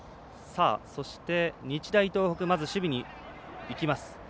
そして、日大東北まず守備にいきます。